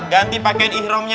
ganti pakaian ihramnya ya